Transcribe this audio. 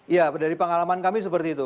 ya dari pengalaman kami seperti itu